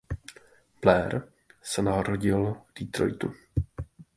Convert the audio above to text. Blair se narodil v Detroitu.